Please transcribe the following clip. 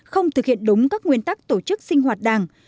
không thực hiện đúng các nguyên tắc tổ chức sinh hoạt đảng